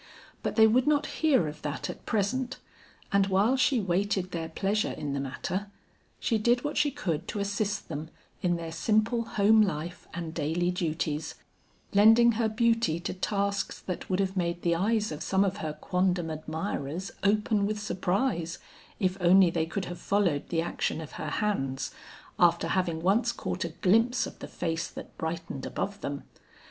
But they would not hear of that at present, and while she waited their pleasure in the matter, she did what she could to assist them in their simple home life and daily duties, lending her beauty to tasks that would have made the eyes of some of her quondam admirers open with surprise, if only they could have followed the action of her hands, after having once caught a glimpse of the face that brightened above them.